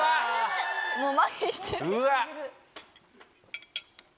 もうまひしてる。